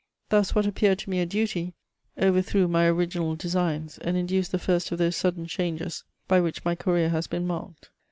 Thus, what appeared to me a duty, overthrew my original designs, and induced the first of those sudden changes by which my career has been marked.